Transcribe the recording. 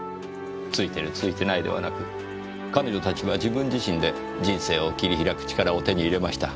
ついてるついてないではなく彼女たちは自分自身で人生を切り開く力を手に入れました。